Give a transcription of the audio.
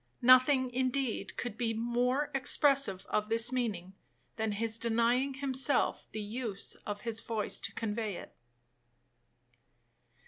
Nothing, indeed, could be more expressive of this meaning, than his denying himself the use of his voice to convey it.